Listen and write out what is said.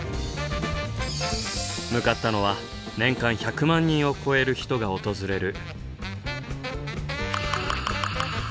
向かったのは年間１００万人を超える人が訪れる。